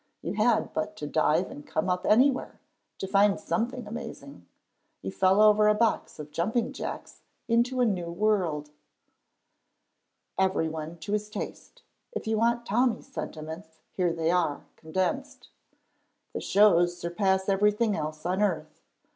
You had but to dive and come up anywhere to find something amazing; you fell over a box of jumping jacks into a new world. Everyone to his taste. If you want Tommy's sentiments, here they are, condensed: "The shows surpass everything else on earth.